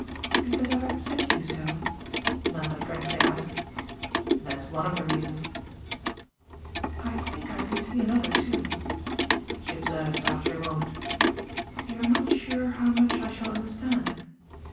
"Because I've upset you so?" Nanda frankly asked. "That's one of the reasons." "I think I can see another too," she observed after a moment. "You're not sure how much I shall understand.